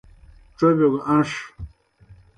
ڇوبِیو گہ ان٘ݜ۔